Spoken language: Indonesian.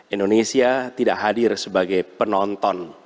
indonesia tidak hadir sebagai penonton